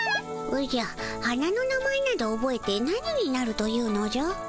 おじゃ花の名前などおぼえて何になるというのじゃ？